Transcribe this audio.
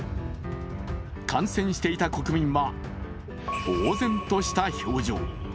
観戦していた国民はぼう然とした表情。